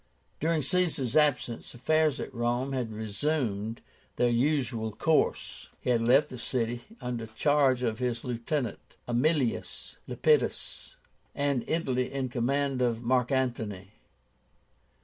During Caesar's absence, affairs at Rome had resumed their usual course. He had left the city under charge of his lieutenant, Aemilius Lepidus, and Italy in command of Mark Antony.